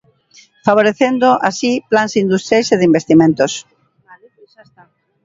Favorecendo así plans industriais e de investimentos.